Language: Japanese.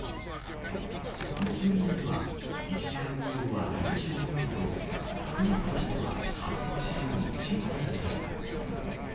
宇都宮では、１時間雨量は７５ミリと、９月としては観測史上１位となりました。